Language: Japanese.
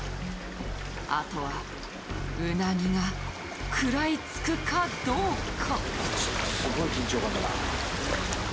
あとは、うなぎが食らいつくかどうか。